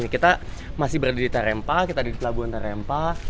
kita masih berada di tarempa kita ada di pelabuhan tarempa